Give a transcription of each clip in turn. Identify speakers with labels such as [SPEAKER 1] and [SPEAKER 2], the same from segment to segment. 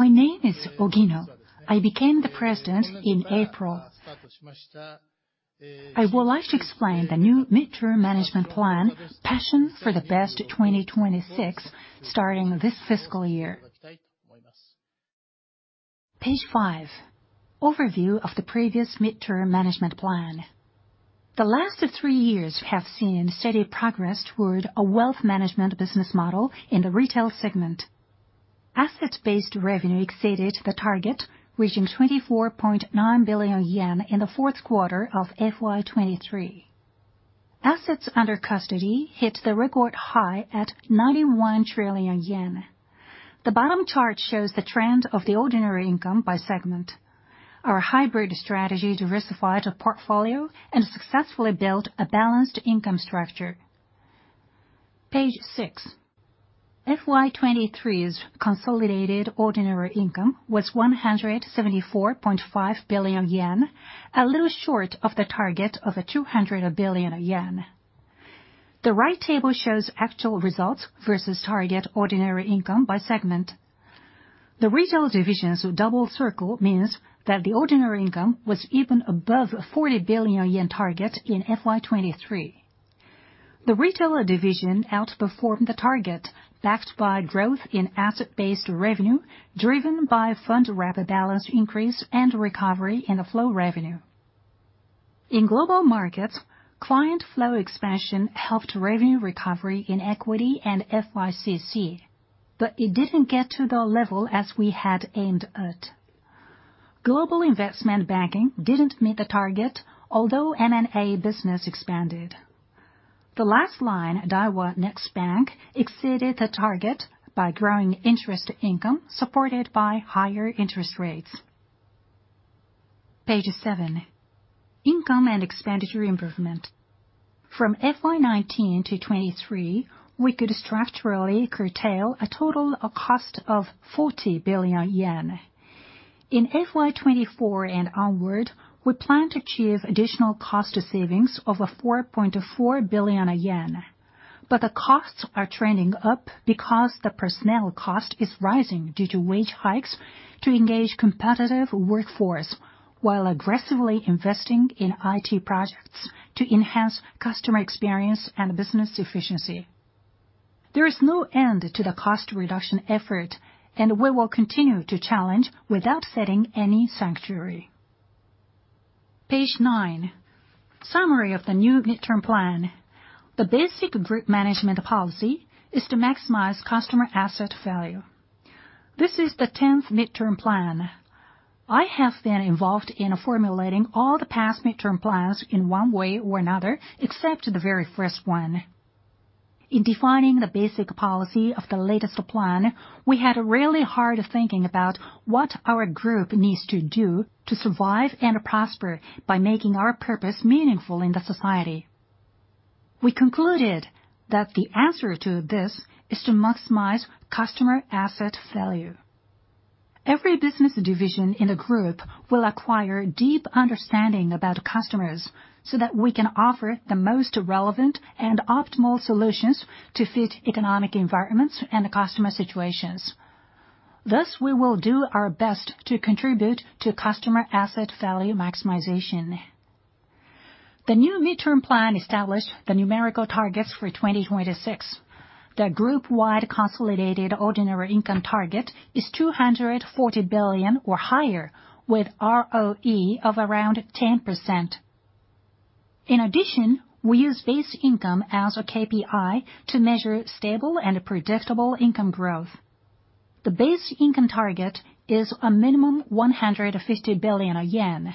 [SPEAKER 1] ...My name is Ogino. I b ecame the president in April. I would like to explain the new mid-term management plan, Passion for the Best 2026, starting this fiscal year. Page five, overview of the previous mid-term management plan. The last three years have seen steady progress toward a wealth management business model in the retail segment. Asset-based revenue exceeded the target, reaching 24.9 billion yen in the fourth quarter of FY 2023. Assets under custody hit the record high at 91 trillion yen. The bottom chart shows the trend of the ordinary income by segment. Our hybrid strategy diversified portfolio and successfully built a balanced income structure. Page six. FY 2023's consolidated ordinary income was 174.5 billion yen, a little short of the target of 200 billion yen. The right table shows actual results versus target ordinary income by segment. The retail division's double circle means that the ordinary income was even above a 40 billion yen target in FY 2023. The Retail Division outperformed the target, backed by growth in asset-based revenue, driven by fund rapid balance increase and recovery in the flow revenue. In Global Markets, client flow expansion helped revenue recovery in equity and FICC, but it didn't get to the level as we had aimed at. Global investment Banking didn't meet the target, although M&A business expanded. The last line, Daiwa Next Bank, exceeded the target by growing interest income supported by higher interest rates. Page seven, income and expenditure improvement. From FY 2019 to 2023, we could structurally curtail a total of cost of 40 billion yen. In FY 2024 and onward, we plan to achieve additional cost savings of 4.4 billion yen, but the costs are trending up because the personnel cost is rising due to wage hikes to engage competitive workforce, while aggressively investing in IT projects to enhance customer experience and business efficiency. There is no end to the cost reduction effort, and we will continue to challenge without setting any sanctuary. Page nine, summary of the new midterm plan. The basic group management policy is to maximize customer asset value. This is the tenth midterm plan. I have been involved in formulating all the past midterm plans in one way or another, except the very first one. In defining the basic policy of the latest plan, we had a really hard thinking about what our group needs to do to survive and prosper by making our purpose meaningful in the society. We concluded that the answer to this is to maximize customer asset value. Every business division in the group will acquire deep understanding about customers, so that we can offer the most relevant and optimal solutions to fit economic environments and customer situations. Thus, we will do our best to contribute to customer asset value maximization. The new midterm plan established the numerical targets for 2026. The group-wide consolidated ordinary income target is 240 billion or higher, with ROE of around 10%. In addition, we use base income as a KPI to measure stable and predictable income growth. The base income target is a minimum 150 billion yen.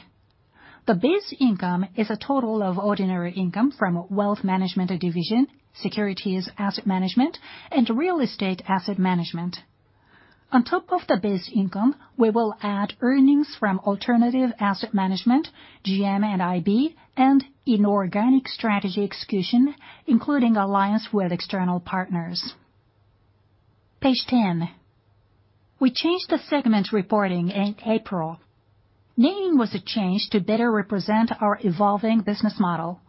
[SPEAKER 1] The base income is a total of ordinary income from Wealth Management Division, securities asset management, and real estate asset management. On top of the base income, we will add earnings from alternative asset management, GM and IB, and inorganic strategy execution, including alliance with external partners. Page 10. We changed the segment reporting in April. Naming was a change to better represent our evolving business model.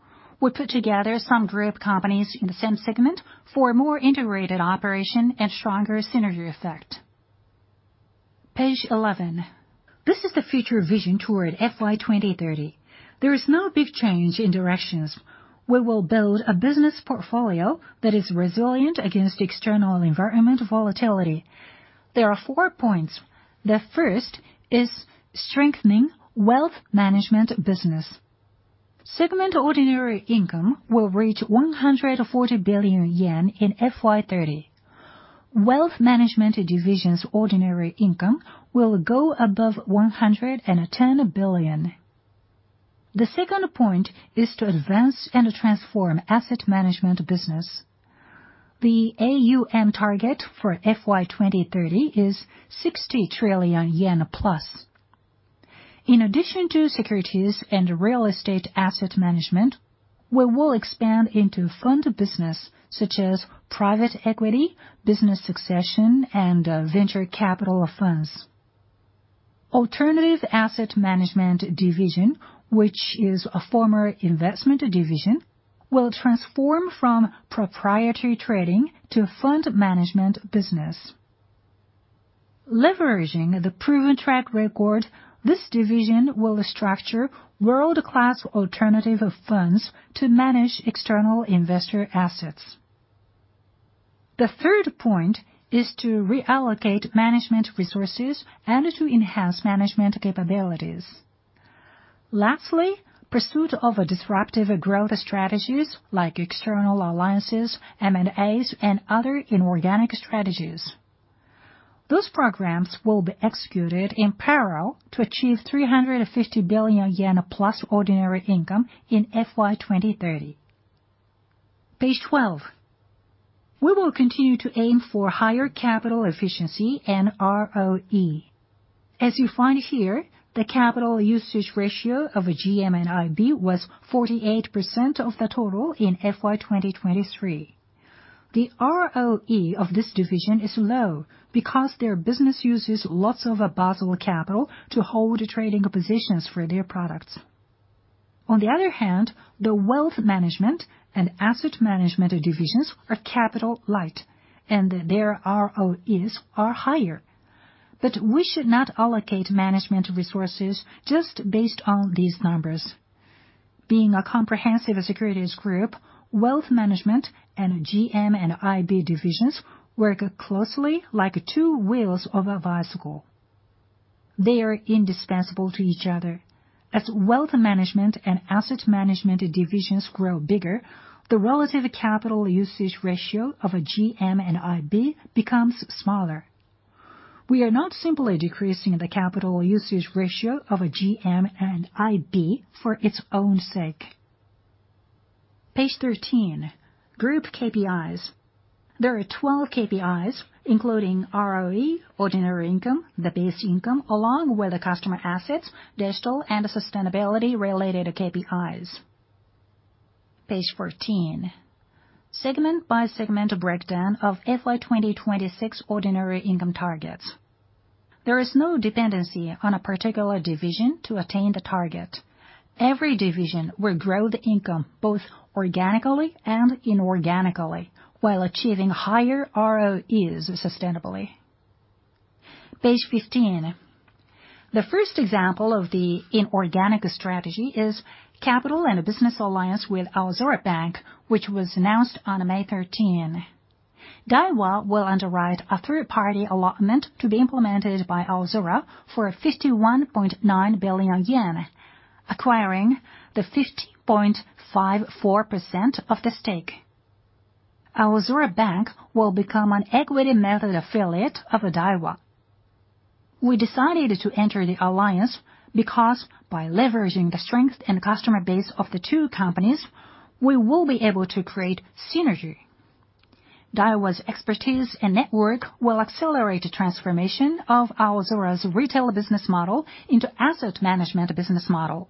[SPEAKER 1] We put together some group companies in the same segment for more integrated operation and stronger synergy effect. Page 11. This is the future vision toward FY 2030. There is no big change in directions. We will build a business portfolio that is resilient against external environment volatility. There are four points. The first is strengthening wealth management business. Segment ordinary income will reach 140 billion yen in FY 30. Wealth Management Division's ordinary income will go above 110 billion. The second point is to advance and transform asset management business. The AUM target for FY 2030 is 60 trillion yen+. In addition to securities and real estate asset management, we will expand into fund business such as private equity, business succession, and venture capital funds. Alternative Asset Management Division, which is a former Investment Division, will transform from proprietary trading to fund management business. Leveraging the proven track record, this division will structure world-class alternative funds to manage external investor assets. The third point is to reallocate management resources and to enhance management capabilities. Lastly, pursuit of a disruptive growth strategies like external alliances, M&As, and other inorganic strategies. Those programs will be executed in parallel to achieve 350 billion yen+ ordinary income in FY 2030. Page twelve. We will continue to aim for higher capital efficiency and ROE. As you find here, the capital usage ratio of a GM&IB was 48% of the total in FY 2023. The ROE of this division is low because their business uses lots of Basel capital to hold trading positions for their products. On the other hand, the Wealth Management and Asset Management Divisions are capital light, and their ROEs are higher. But we should not allocate management resources just based on these numbers. Being a comprehensive securities group, Wealth Management and GM&IB divisions work closely like two wheels of a bicycle. They are indispensable to each other. As Wealth Management and Asset Management Divisions grow bigger, the relative capital usage ratio of a GM&IB becomes smaller. We are not simply decreasing the capital usage ratio of a GM&IB for its own sake. Page thirteen, Group KPIs. There are 12 KPIs, including ROE, ordinary income, the base income, along with the customer assets, digital, and sustainability-related KPIs. Page 14, segment-by-segment breakdown of FY 2026 ordinary income targets. There is no dependency on a particular division to attain the target. Every division will grow the income both organically and inorganically, while achieving higher ROEs sustainably. Page 15. The first example of the inorganic strategy is capital and a business alliance with Aozora Bank, which was announced on May 13. Daiwa will underwrite a third-party allotment to be implemented by Aozora for a 51.9 billion yen, acquiring the 50.54% of the stake. Aozora Bank will become an equity method affiliate of Daiwa. We decided to enter the alliance because by leveraging the strength and customer base of the two companies, we will be able to create synergy. Daiwa's expertise and network will accelerate the transformation of Aozora's retail business model into asset management business model.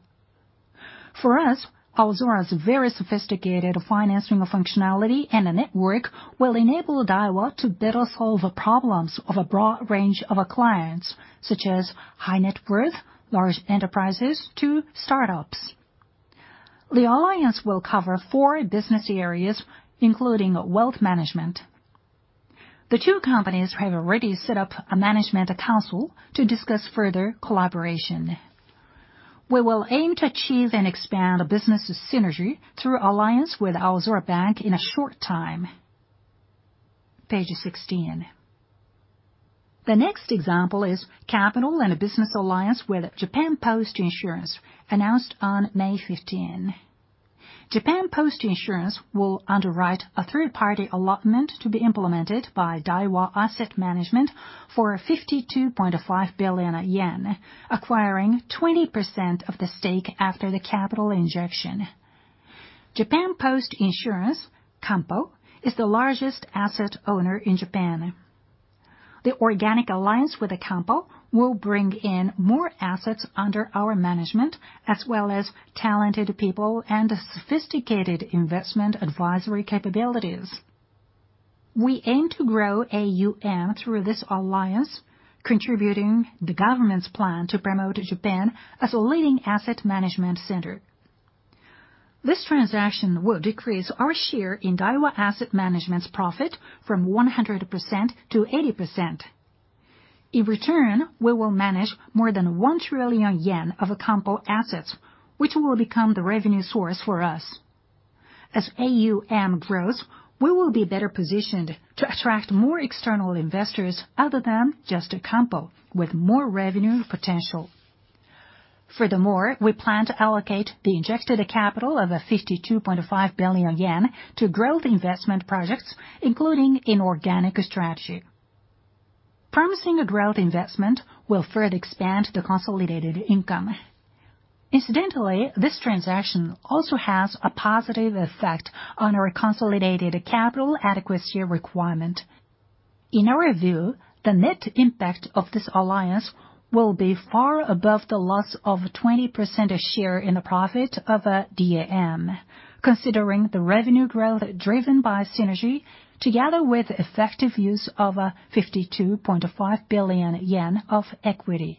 [SPEAKER 1] For us, Aozora's very sophisticated financing functionality and a network will enable Daiwa to better solve the problems of a broad range of our clients, such as high net worth, large enterprises, to startups. The alliance will cover four business areas, including wealth management. The two companies have already set up a management council to discuss further collaboration. We will aim to achieve and expand the business' synergy through alliance with Aozora Bank in a short time. Page 16. The next example is capital and a business alliance with Japan Post Insurance, announced on May 15. Japan Post Insurance will underwrite a third-party allotment to be implemented by Daiwa Asset Management for 52.5 billion yen, acquiring 20% of the stake after the capital injection. Japan Post Insurance, Kampo, is the largest asset owner in Japan. The inorganic alliance with the Kampo will bring in more assets under our management, as well as talented people and sophisticated investment advisory capabilities. We aim to grow AUM through this alliance, contributing the government's plan to promote Japan as a leading asset management center. This transaction will decrease our share in Daiwa Asset Management's profit from 100% to 80%. In return, we will manage more than 1 trillion yen of Kampo assets, which will become the revenue source for us. As AUM grows, we will be better positioned to attract more external investors other than just Kampo, with more revenue potential. Furthermore, we plan to allocate the injected capital of 52.5 billion yen to growth investment projects, including inorganic strategy. Promising a growth investment will further expand the consolidated income. Incidentally, this transaction also has a positive effect on our consolidated capital adequacy requirement. In our view, the net impact of this alliance will be far above the loss of 20% of share in the profit of a DAM, considering the revenue growth driven by synergy, together with effective use of 52.5 billion yen of equity....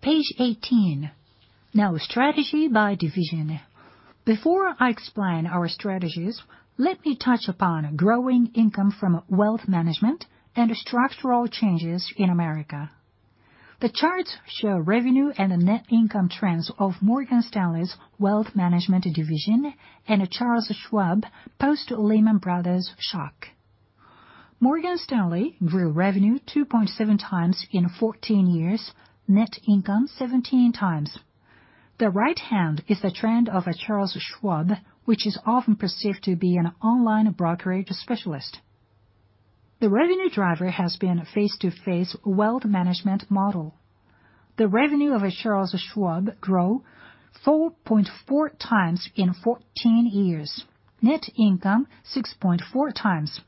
[SPEAKER 1] Page 18. Now, strategy by division. Before I explain our strategies, let me touch upon growing income from wealth management and structural changes in America. The charts show revenue and the net income trends of Morgan Stanley's Wealth Management Division and Charles Schwab post-Lehman Brothers shock. Morgan Stanley grew revenue 2.7 times in 14 years, net income 17 times. The right hand is the trend of Charles Schwab, which is often perceived to be an online brokerage specialist. The revenue driver has been a face to face wealth management model. The revenue of Charles Schwab grow 4.4 times in 14 years, net income 6.4 times,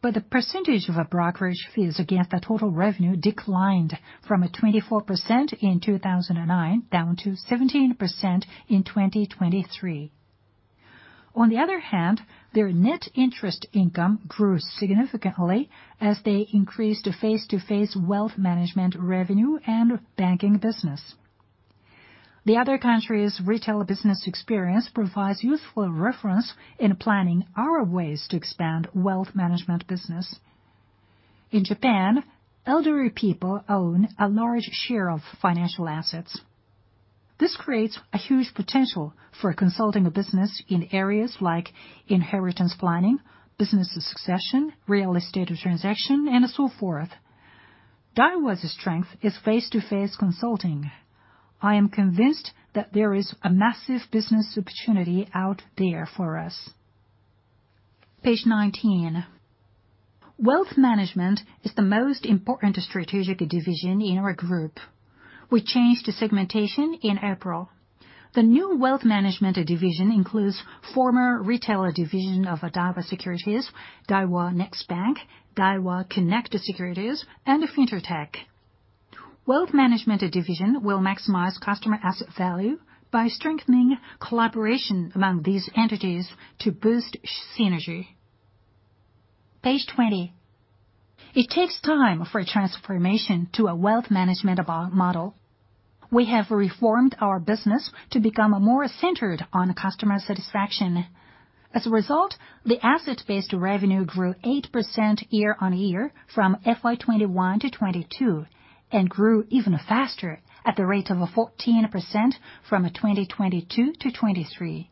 [SPEAKER 1] but the percentage of brokerage fees against the total revenue declined from 24% in 2009, down to 17% in 2023. On the other hand, their net interest income grew significantly as they increased face to face wealth management revenue and banking business. The other country's retail business experience provides useful reference in planning our ways to expand wealth management business. In Japan, elderly people own a large share of financial assets. This creates a huge potential for consulting a business in areas like inheritance planning, business succession, real estate transaction, and so forth. Daiwa's strength is face to face consulting. I am convinced that there is a massive business opportunity out there for us. Page nineteen. Wealth management is the most important strategic division in our group. We changed the segmentation in April. The new Wealth Management Division includes former Retailer Division of Daiwa Securities, Daiwa Next Bank, Daiwa Connect Securities, and Fintertech. Wealth Management Division will maximize customer asset value by strengthening collaboration among these entities to boost synergy. Page 20. It takes time for a transformation to a wealth management model. We have reformed our business to become more centered on customer satisfaction. As a result, the asset-based revenue grew 8% year-on-year from FY 2021 to 2022, and grew even faster at the rate of 14% from 2022 to 2023.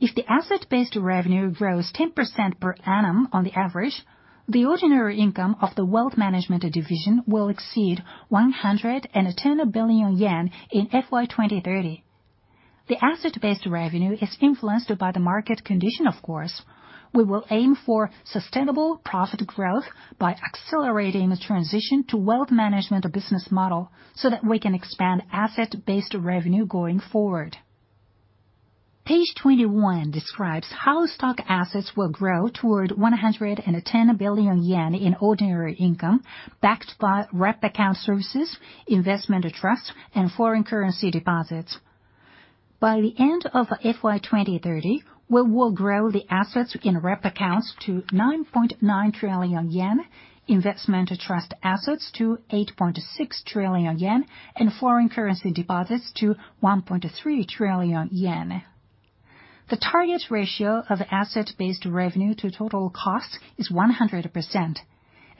[SPEAKER 1] If the asset-based revenue grows 10% per annum on the average, the ordinary income of the Wealth Management Division will exceed 110 billion yen in FY 2030. The asset-based revenue is influenced by the market condition, of course. We will aim for sustainable profit growth by accelerating the transition to wealth management or business model, so that we can expand asset-based revenue going forward. Page 21 describes how stock assets will grow toward 110 billion yen in ordinary income, backed by wrap account services, investment trust, and foreign currency deposits. By the end of FY 2030, we will grow the assets in wrap accounts to 9.9 trillion yen, investment trust assets to 8.6 trillion yen, and foreign currency deposits to 1.3 trillion yen. The target ratio of asset-based revenue to total cost is 100%,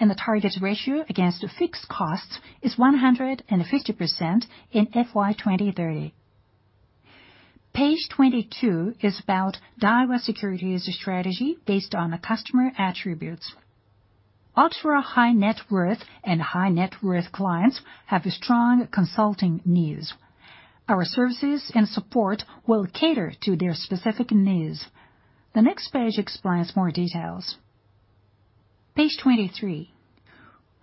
[SPEAKER 1] and the target ratio against fixed costs is 150% in FY 2030. Page 22 is about Daiwa Securities' strategy based on customer attributes. Ultra-high net worth and high net worth clients have strong consulting needs. Our services and support will cater to their specific needs. The next page explains more details. Page 23.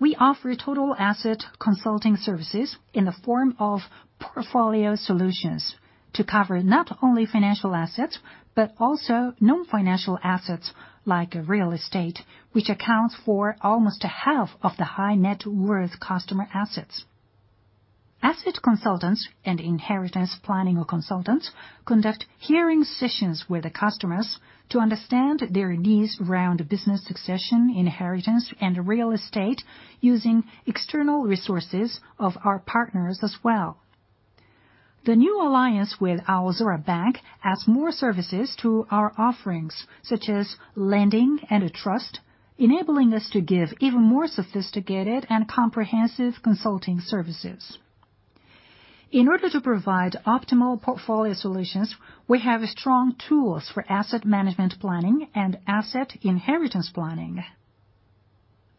[SPEAKER 1] We offer total asset consulting services in the form of portfolio solutions to cover not only financial assets, but also non-financial assets like real estate, which accounts for almost half of the high net worth customer assets. Asset consultants and inheritance planning consultants conduct hearing sessions with the customers to understand their needs around business succession, inheritance, and real estate, using external resources of our partners as well. The new alliance with Aozora Bank adds more services to our offerings, such as lending and trust, enabling us to give even more sophisticated and comprehensive consulting services. In order to provide optimal portfolio solutions, we have strong tools for asset management planning and asset inheritance planning.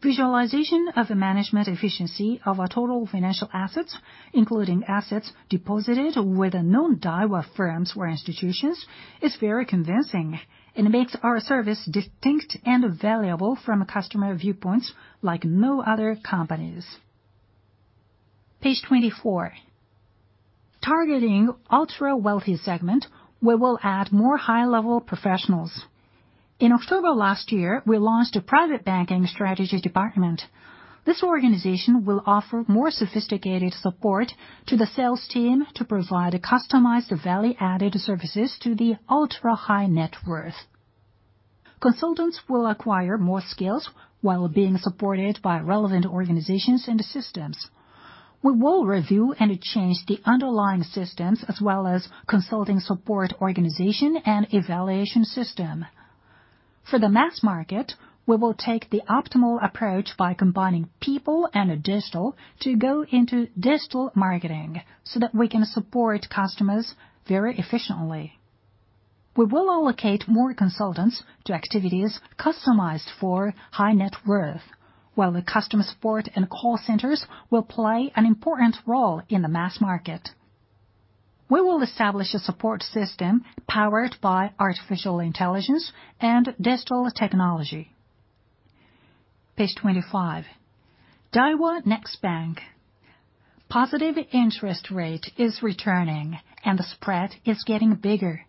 [SPEAKER 1] Visualization of the management efficiency of our total financial assets, including assets deposited with non-Daiwa firms or institutions, is very convincing and makes our service distinct and valuable from a customer viewpoints like no other companies. Page 24. Targeting ultra-wealthy segment, we will add more high-level professionals. In October last year, we launched a Private Banking Strategy Department. This organization will offer more sophisticated support to the sales team to provide customized, value-added services to the ultra-high net worth.... consultants will acquire more skills while being supported by relevant organizations and systems. We will review and change the underlying systems as well as consulting support organization and evaluation system. For the mass market, we will take the optimal approach by combining people and digital to go into digital marketing so that we can support customers very efficiently. We will allocate more consultants to activities customized for high net worth, while the customer support and call centers will play an important role in the mass market. We will establish a support system powered by artificial intelligence and digital technology. Page 25. Daiwa Next Bank. Positive interest rate is returning, and the spread is getting bigger.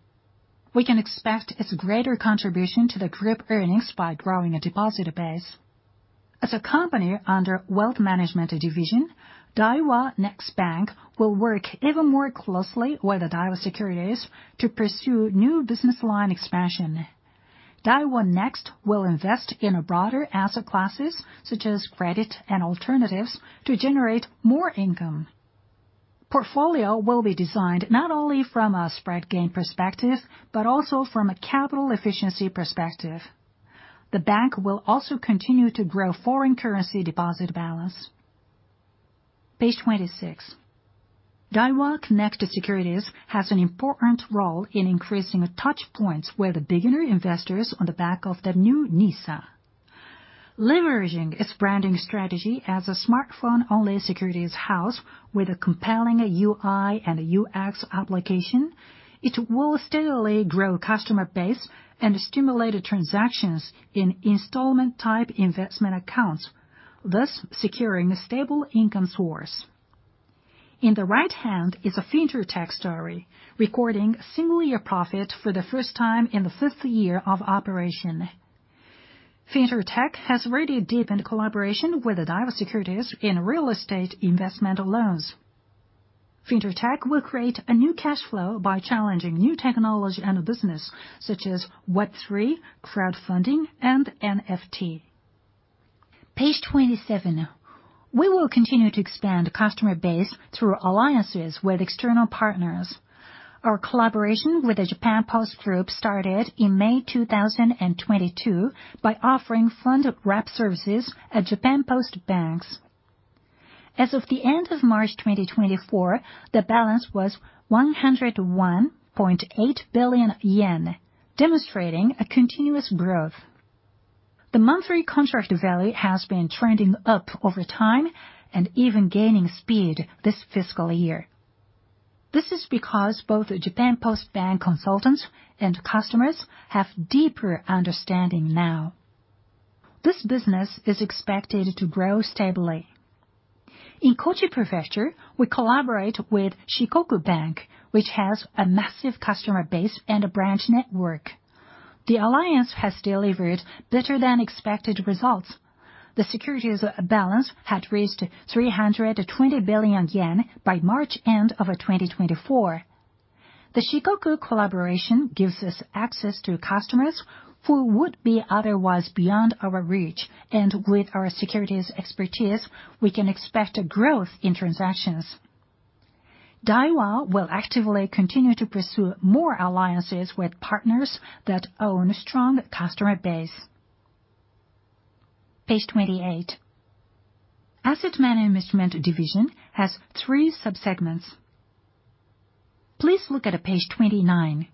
[SPEAKER 1] We can expect its greater contribution to the group earnings by growing a deposit base. As a company under Wealth Management Division, Daiwa Next Bank will work even more closely with the Daiwa Securities to pursue new business line expansion. Daiwa Next will invest in a broader asset classes, such as credit and alternatives, to generate more income. Portfolio will be designed not only from a spread gain perspective, but also from a capital efficiency perspective. The bank will also continue to grow foreign currency deposit balance. Page 26. Daiwa Connect Securities has an important role in increasing touchpoints with the beginner investors on the back of the new NISA. Leveraging its branding strategy as a smartphone-only securities house with a compelling UI and UX application, it will steadily grow customer base and stimulate transactions in installment-type investment accounts, thus securing a stable income source. In the right hand is a Fintech story, recording single-year profit for the first time in the fifth year of operation. Fintech has really deepened collaboration with the Daiwa Securities in real estate investment loans. Fintech will create a new cash flow by challenging new technology and business, such as Web3, crowdfunding, and NFT. Page 27. We will continue to expand customer base through alliances with external partners. Our collaboration with the Japan Post Group started in May 2022 by offering fund wrap services at Japan Post Bank. As of the end of March 2024, the balance was 101.8 billion yen, demonstrating a continuous growth. The monthly contract value has been trending up over time and even gaining speed this fiscal year. This is because both the Japan Post Bank consultants and customers have deeper understanding now. This business is expected to grow stably. In Kochi Prefecture, we collaborate with Shikoku Bank, which has a massive customer base and a branch network. The alliance has delivered better-than-expected results. The securities balance had reached JPY 320 billion by March end of our 2024. The Shikoku collaboration gives us access to customers who would be otherwise beyond our reach, and with our securities expertise, we can expect a growth in transactions. Daiwa will actively continue to pursue more alliances with partners that own a strong customer base. Page 28. Asset Management Division has three sub-segments. Please look at page 29.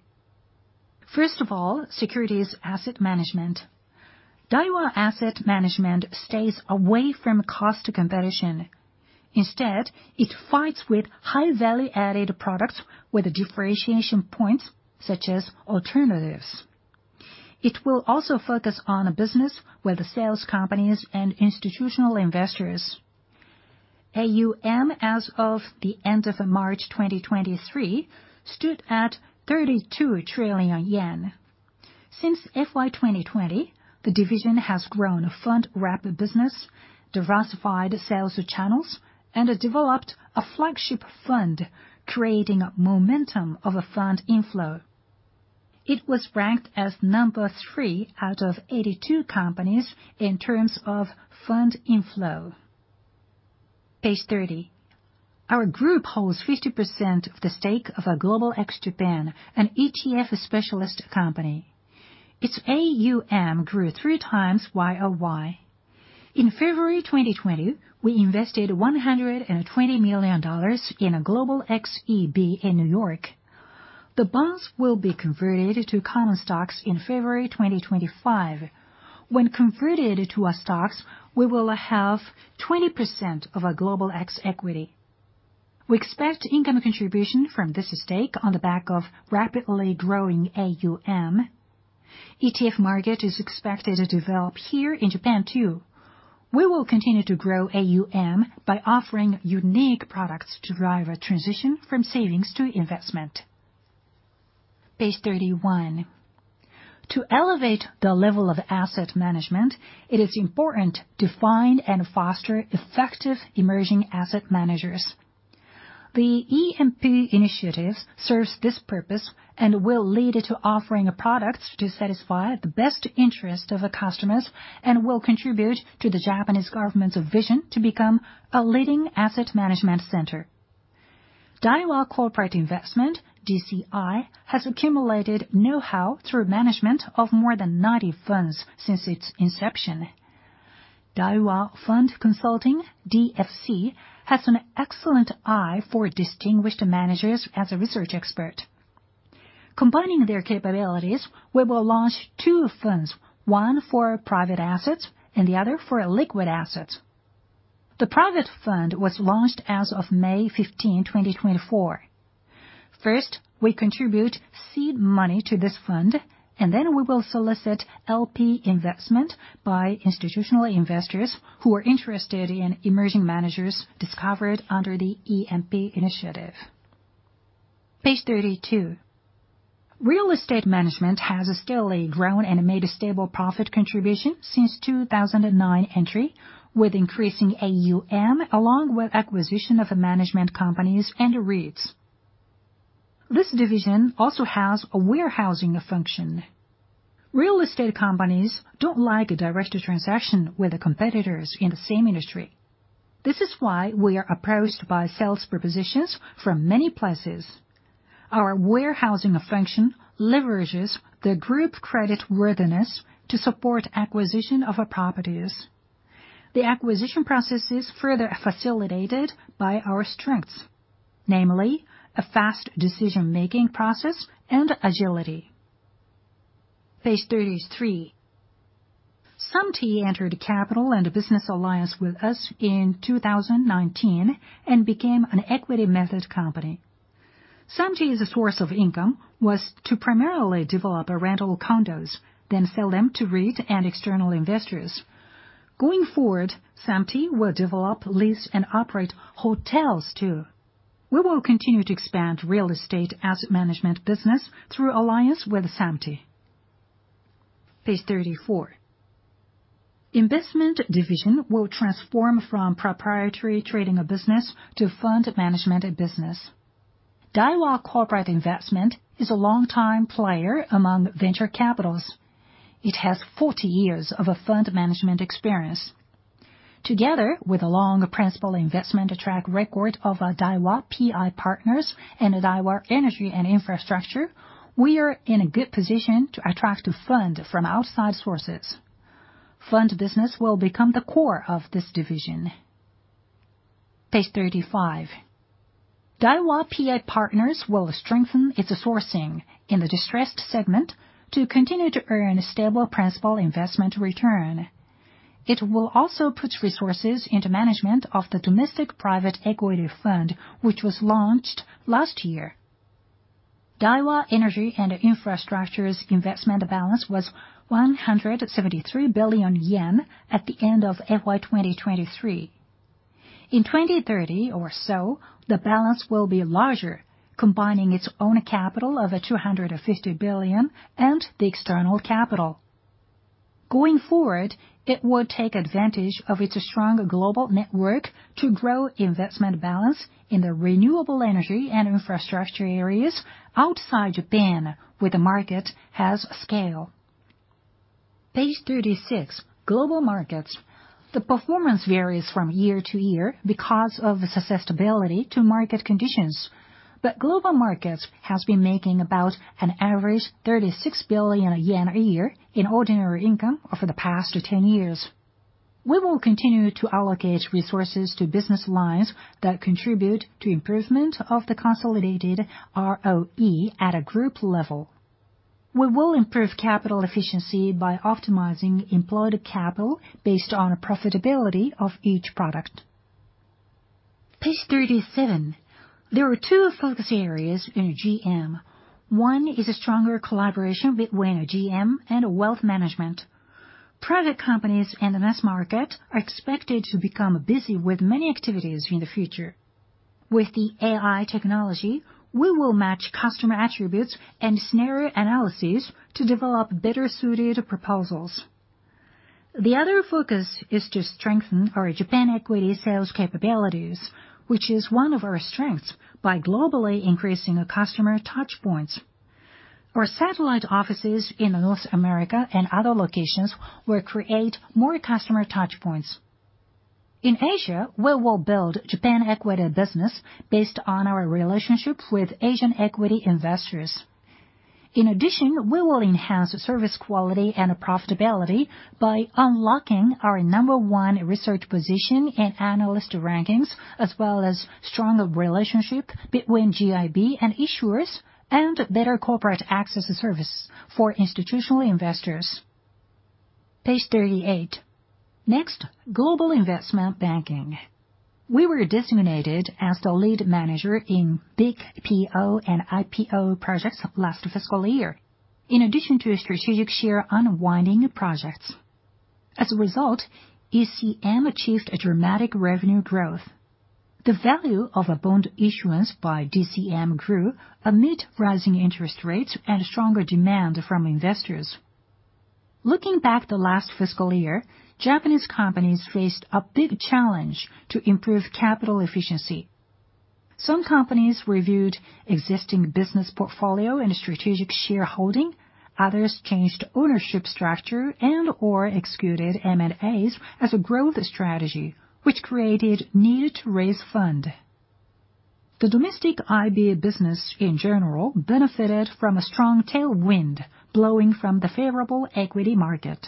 [SPEAKER 1] First of all, securities asset management. Daiwa Asset Management stays away from cost competition. Instead, it fights with high value-added products with a differentiation point, such as alternatives. It will also focus on a business with the sales companies and institutional investors. AUM, as of the end of March 2023, stood at 32 trillion yen. Since FY 2020, the division has grown a fund wrap business, diversified sales channels, and developed a flagship fund, creating a momentum of a fund inflow. It was ranked as number three out of 82 companies in terms of fund inflow. Page 30. Our group holds 50% of the stake of our Global X Japan, an ETF specialist company. Its AUM grew three times YOY. In February 2020, we invested $120 million in a Global X ETF in New York. The bonds will be converted to common stocks in February 2025. When converted to our stocks, we will have 20% of our Global X equity. We expect income contribution from this stake on the back of rapidly growing AUM. ETF market is expected to develop here in Japan, too. We will continue to grow AUM by offering unique products to drive a transition from savings to investment. Page 31. To elevate the level of asset management, it is important to find and foster effective emerging asset managers.... The EMP initiative serves this purpose and will lead to offering products to satisfy the best interest of the customers, and will contribute to the Japanese government's vision to become a leading asset management center. Daiwa Corporate Investment, DCI, has accumulated know-how through management of more than 90 funds since its inception. Daiwa Fund Consulting, DFC, has an excellent eye for distinguished managers as a research expert. Combining their capabilities, we will launch two funds, one for private assets and the other for liquid assets. The private fund was launched as of May 15, 2024. First, we contribute seed money to this fund, and then we will solicit LP investment by institutional investors who are interested in emerging managers discovered under the EMP initiative. Page 32. Real estate management has steadily grown and made a stable profit contribution since 2009 entry, with increasing AUM, along with acquisition of management companies and REITs. This division also has a warehousing function. Real estate companies don't like a direct transaction with the competitors in the same industry. This is why we are approached by sales propositions from many places. Our warehousing function leverages the group creditworthiness to support acquisition of our properties. The acquisition process is further facilitated by our strengths, namely, a fast decision-making process and agility. Page 33. Sumty entered capital and a business alliance with us in 2019, and became an equity method company. Sumty's source of income was to primarily develop rental condos, then sell them to REITs and external investors. Going forward, Sumty will develop, lease, and operate hotels, too. We will continue to expand real estate asset management business through alliance with Sumty. Page 34. Investment Division will transform from proprietary trading a business to fund management business. Daiwa Corporate Investment is a long-time player among venture capitals. It has 40 years of fund management experience. Together with a long principal investment track record of our Daiwa PI Partners and Daiwa Energy and Infrastructure, we are in a good position to attract the fund from outside sources. Fund business will become the core of this division. Page 35. Daiwa PI Partners will strengthen its sourcing in the distressed segment to continue to earn a stable principal investment return. It will also put resources into management of the domestic private equity fund, which was launched last year. Daiwa Energy and Infrastructure's investment balance was 173 billion yen at the end of FY 2023. In 2030 or so, the balance will be larger, combining its own capital of 250 billion and the external capital. Going forward, it will take advantage of its strong global network to grow investment balance in the renewable energy and infrastructure areas outside Japan, where the market has scale. Page 36, Global Markets. The performance varies from year to year because of the susceptibility to market conditions. But Global Markets has been making about an average 36 billion yen a year in ordinary income over the past 10 years. We will continue to allocate resources to business lines that contribute to improvement of the consolidated ROE at a group level. We will improve capital efficiency by optimizing employed capital based on the profitability of each product. Page 37. There are two focus areas in GM. One is a stronger collaboration between GM and wealth management. Private companies in the mass market are expected to become busy with many activities in the future. With the AI technology, we will match customer attributes and scenario analyses to develop better-suited proposals. The other focus is to strengthen our Japan equity sales capabilities, which is one of our strengths, by globally increasing our customer touchpoints. Our satellite offices in North America and other locations will create more customer touchpoints. In Asia, we will build Japan equity business based on our relationships with Asian equity investors. In addition, we will enhance service quality and profitability by unlocking our number one research position in analyst rankings, as well as stronger relationship between GIB and issuers, and better corporate access service for institutional investors. Page 38. Next, Global Investment Banking. We were designated as the lead manager in big PO and IPO projects last fiscal year, in addition to strategic share unwinding projects. As a result, ECM achieved a dramatic revenue growth. The value of a bond issuance by DCM grew amid rising interest rates and stronger demand from investors.... Looking back the last fiscal year, Japanese companies faced a big challenge to improve capital efficiency. Some companies reviewed existing business portfolio and strategic shareholding, others changed ownership structure and/or executed M&As as a growth strategy, which created need to raise fund. The domestic IB business, in general, benefited from a strong tailwind blowing from the favorable equity market.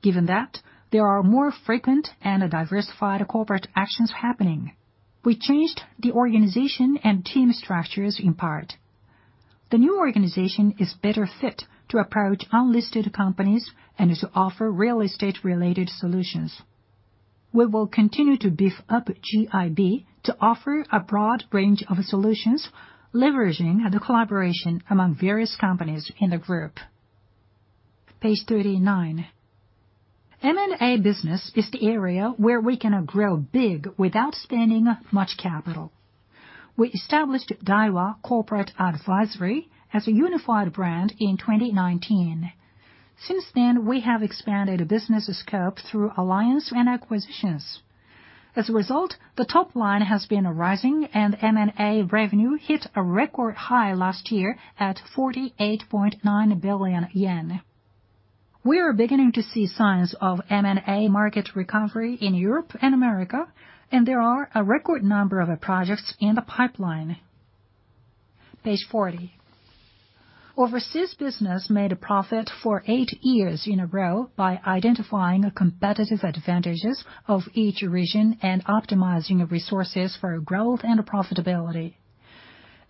[SPEAKER 1] Given that, there are more frequent and diversified corporate actions happening. We changed the organization and team structures in part. The new organization is better fit to approach unlisted companies and to offer real estate-related solutions. We will continue to beef up GIB to offer a broad range of solutions, leveraging the collaboration among various companies in the group. Page 39. M&A business is the area where we can grow big without spending much capital. We established Daiwa Corporate Advisory as a unified brand in 2019. Since then, we have expanded the business scope through alliance and acquisitions. As a result, the top line has been rising, and M&A revenue hit a record high last year at 48.9 billion yen. We are beginning to see signs of M&A market recovery in Europe and Americas, and there are a record number of projects in the pipeline. Page 40. Overseas business made a profit for 8 years in a row by identifying competitive advantages of each region and optimizing resources for growth and profitability.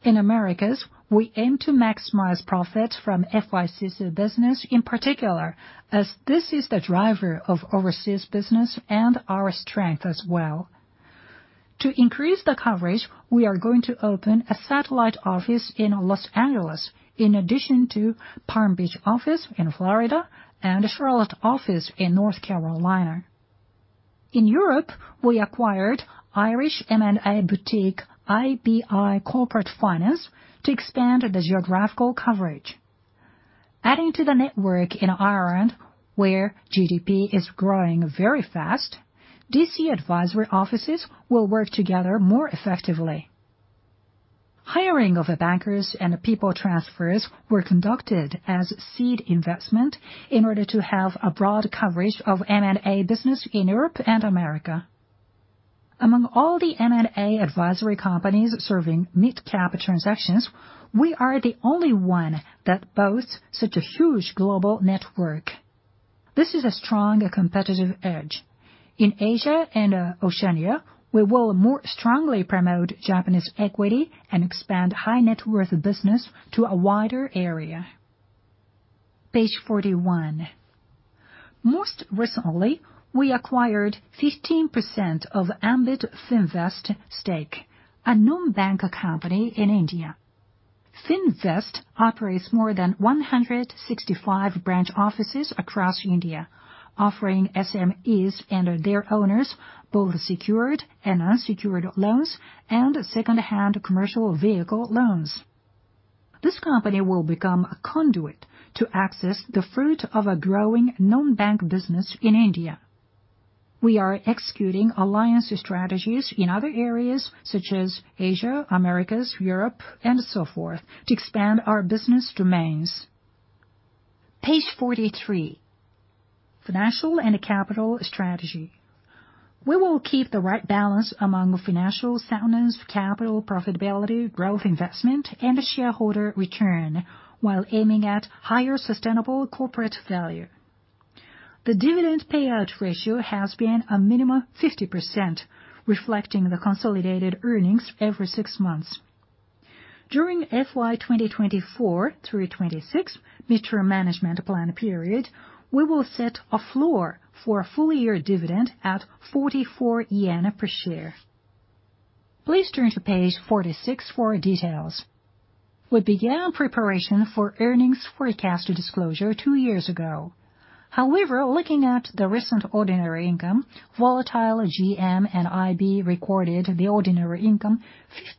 [SPEAKER 1] In Americas, we aim to maximize profits from FICC business, in particular, as this is the driver of overseas business and our strength as well. To increase the coverage, we are going to open a satellite office in Los Angeles, in addition to Palm Beach office in Florida and a Charlotte office in North Carolina. In Europe, we acquired Irish M&A boutique IBI Corporate Finance to expand the geographical coverage. Adding to the network in Ireland, where GDP is growing very fast, DC Advisory offices will work together more effectively. Hiring of bankers and people transfers were conducted as seed investment in order to have a broad coverage of M&A business in Europe and America. Among all the M&A advisory companies serving mid-cap transactions, we are the only one that boasts such a huge global network. This is a strong competitive edge. In Asia and Oceania, we will more strongly promote Japanese equity and expand high net worth business to a wider area. Page 41. Most recently, we acquired 15% of Ambit Finvest stake, a non bank company in India. Finvest operates more than 165 branch offices across India, offering SMEs and their owners both secured and unsecured loans and secondhand commercial vehicle loans. This company will become a conduit to access the fruit of a growing non-bank business in India. We are executing alliance strategies in other areas such as Asia, Americas, Europe, and so forth, to expand our business domains. Page 43, financial and capital strategy. We will keep the right balance among financial soundness, capital profitability, growth investment, and shareholder return, while aiming at higher sustainable corporate value. The dividend payout ratio has been a minimum 50%, reflecting the consolidated earnings every six months. During FY 2024 through 2026 midterm management plan period, we will set a floor for a full year dividend at 44 yen per share. Please turn to page 46 for details. We began preparation for earnings forecast disclosure two years ago. However, looking at the recent ordinary income, volatile GM and IB recorded the ordinary income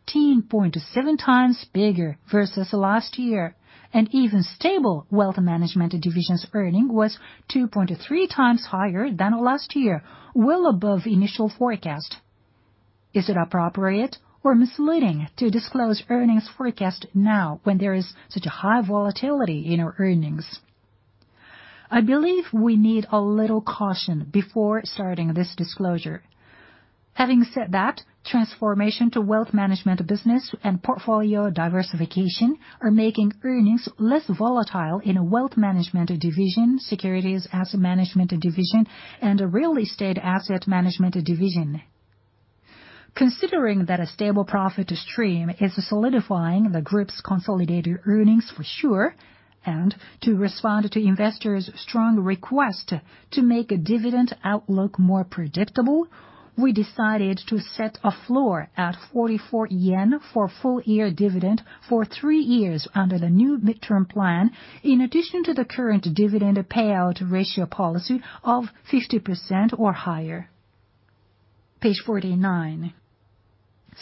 [SPEAKER 1] 15.7 times bigger versus last year, and even stable Wealth Management Division's earning was 2.3 times higher than last year, well above initial forecast. Is it appropriate or misleading to disclose earnings forecast now when there is such a high volatility in our earnings? I believe we need a little caution before starting this disclosure. Having said that, transformation to wealth management business and portfolio diversification are making earnings less volatile in a Wealth Management Division, securities Asset Management Division, and a real estate Asset Management Division. Considering that a stable profit stream is solidifying the group's consolidated earnings for sure, and to respond to investors' strong request to make a dividend outlook more predictable, we decided to set a floor at 44 yen for full year dividend for three years under the new mid-term plan, in addition to the current dividend payout ratio policy of 50% or higher. Page 49.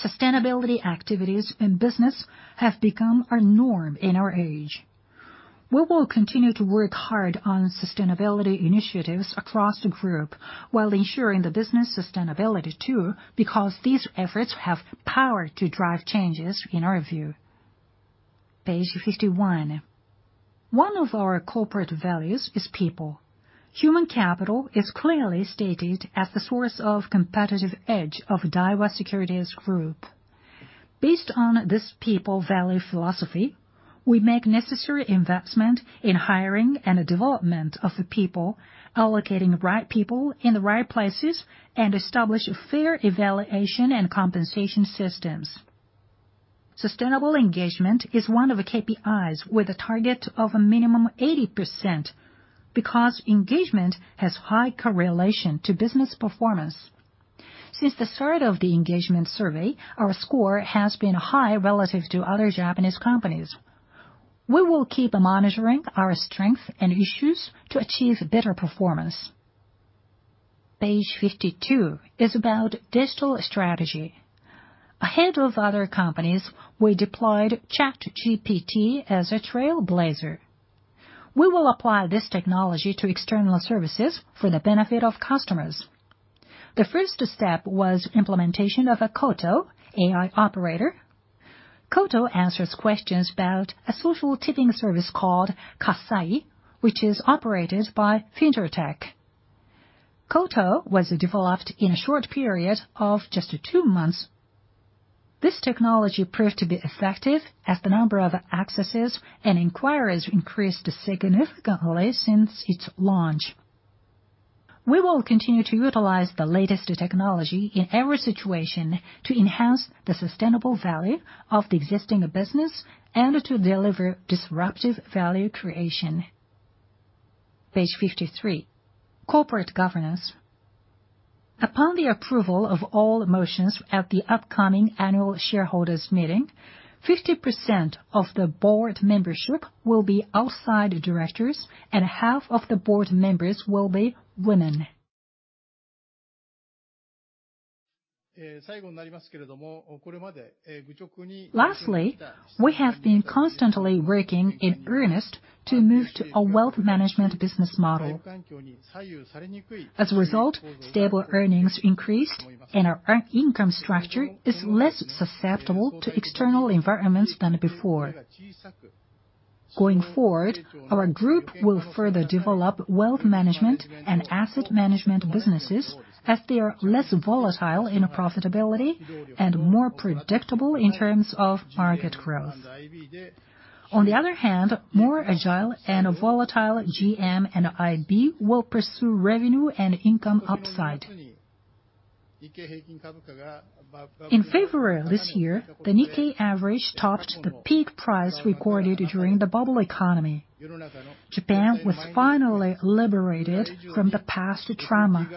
[SPEAKER 1] Sustainability activities in business have become a norm in our age. We will continue to work hard on sustainability initiatives across the group, while ensuring the business sustainability, too, because these efforts have power to drive changes, in our view. Page 51. One of our corporate values is people. Human capital is clearly stated as the source of competitive edge of Daiwa Securities Group. Based on this people value philosophy, we make necessary investment in hiring and the development of the people, allocating the right people in the right places, and establish fair evaluation and compensation systems. Sustainable engagement is one of the KPIs with a target of a minimum 80%, because engagement has high correlation to business performance. Since the start of the engagement survey, our score has been high relative to other Japanese companies. We will keep monitoring our strength and issues to achieve better performance. Page 52 is about digital strategy. Ahead of other companies, we deployed ChatGPT as a trailblazer. We will apply this technology to external services for the benefit of customers. The first step was implementation of a KOTO AI operator. KOTO answers questions about a social tipping service called KASSAI, which is operated by Fintech. KOTO was developed in a short period of just two months. This technology proved to be effective, as the number of accesses and inquiries increased significantly since its launch. We will continue to utilize the latest technology in every situation to enhance the sustainable value of the existing business and to deliver disruptive value creation. Page 53, corporate governance. Upon the approval of all motions at the upcoming annual shareholders meeting, 50% of the board membership will be outside directors, and half of the board members will be women. Lastly, we have been constantly working in earnest to move to a wealth management business model. As a result, stable earnings increased, and our earn income structure is less susceptible to external environments than before. Going forward, our group will further develop wealth management and asset management businesses, as they are less volatile in profitability and more predictable in terms of market growth. On the other hand, more agile and volatile GM and IB will pursue revenue and income upside. In February this year, the Nikkei average topped the peak price recorded during the bubble economy. Japan was finally liberated from the past trauma.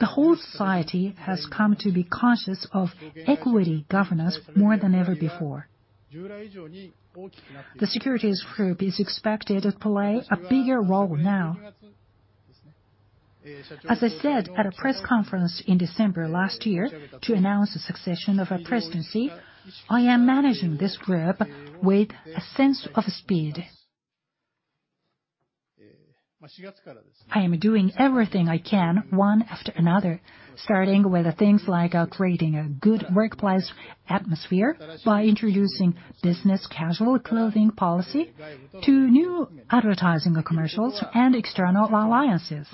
[SPEAKER 1] The whole society has come to be conscious of equity governance more than ever before. The securities group is expected to play a bigger role now. As I said at a press conference in December last year to announce the succession of our presidency, I am managing this group with a sense of speed. I am doing everything I can, one after another, starting with things like creating a good workplace atmosphere by introducing business casual clothing policy to new advertising commercials and external alliances.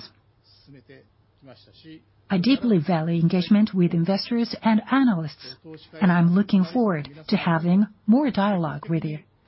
[SPEAKER 1] I deeply value engagement with investors and analysts, and I'm looking forward to having more dialogue with you.